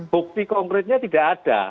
bukti konkretnya tidak ada